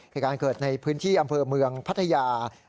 เหตุการณ์เกิดในพื้นที่อำเภอเมืองพัทยา